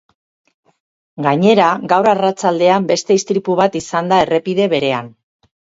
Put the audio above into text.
Gainera, gaur arratsaldean beste istripu bat izan da errepide berean.